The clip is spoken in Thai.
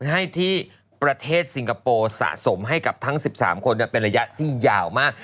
ให้ที่ประเทศสิงคโปร์สะสมให้กับทั้ง๑๓คนเป็นระยะที่ยาวมาก